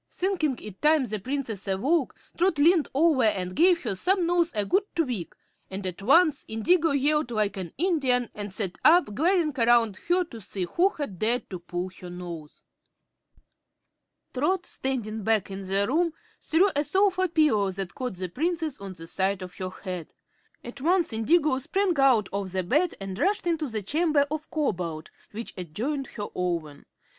Thinking it time the Princess awoke, Trot leaned over and gave her snubnose a good tweak, and at once Indigo yelled like an Indian and sat up, glaring around her to see who had dared to pull her nose. Trot, standing back in the room, threw a sofa pillow that caught the Princess on the side of her head. At once Indigo sprang out of bed and rushed into the chamber of Cobalt, which adjoined her own.